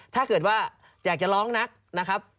ถ้าเกิดว่าอยากจะร้องนักนะครับ